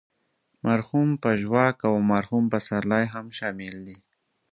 مرحوم پژواک او مرحوم پسرلی هم شامل دي.